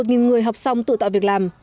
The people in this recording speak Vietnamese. gần một mươi một người học xong tự tạo việc làm